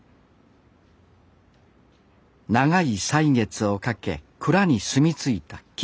長い歳月をかけ蔵に住み着いた菌。